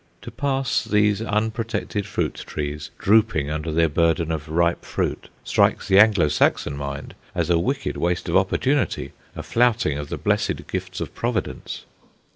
To pass these unprotected fruit trees, drooping under their burden of ripe fruit, strikes the Anglo Saxon mind as a wicked waste of opportunity, a flouting of the blessed gifts of Providence.